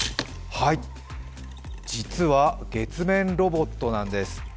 実は、月面ロボットなんです。